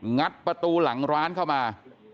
งัดประตูหลังร้านเข้ามา